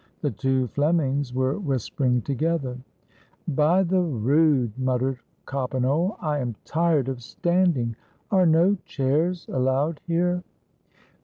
The two Flemings were whispering together. " By the Rood!" muttered Coppenole, "I am tired of standing. Are no chairs allowed here?"